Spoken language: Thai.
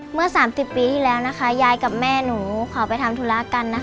เมื่อ๓๐ปีที่แล้วนะคะยายกับแม่หนูขอไปทำธุระกันนะคะ